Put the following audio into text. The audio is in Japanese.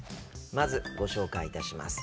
まずご紹介いたします。